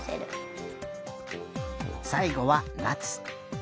さいごはなつ。